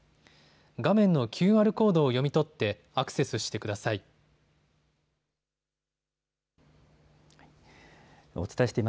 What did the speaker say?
画面のＱＲコードを読み取ってアクセスしてください。